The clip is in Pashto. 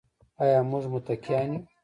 آیا موږ متقیان یو؟